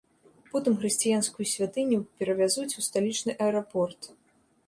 Потым хрысціянскую святыню перавязуць у сталічны аэрапорт.